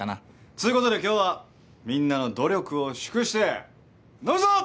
つうことで今日はみんなの努力を祝して飲むぞ！